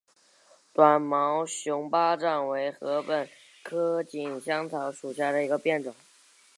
短毛熊巴掌为禾本科锦香草属下的一个变种。